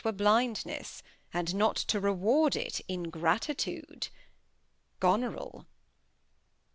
Were BUndness, and not to reward it Ingratitude. Goneril.